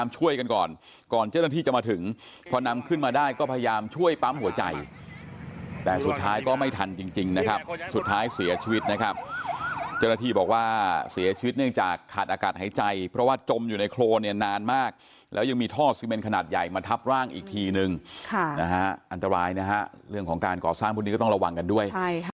จริงนะครับสุดท้ายเสียชีวิตนะครับเจ้าหน้าที่บอกว่าเสียชีวิตเนื่องจากขาดอากาศหายใจเพราะว่าจมอยู่ในโครนนานมากแล้วยังมีท่อสวิเมนขนาดใหญ่มาทับร่างอีกทีหนึ่งอันตรายนะฮะเรื่องการกอบสร้างพูดนี้ก็ต้องระวังกันด้วย